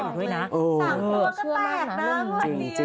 สั่งโลก็แปลกนะ